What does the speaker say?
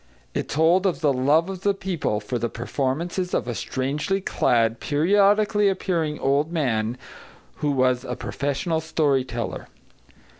It told of the love of the people for the performances of a strangely clad, periodically appearing old man who was a professional story teller.